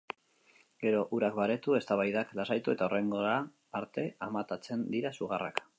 Gero urak baretu, eztabaidak lasaitu eta hurrengora arte amatatzen dira sugarrak.